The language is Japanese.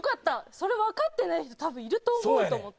それわかってない人多分いると思うと思って。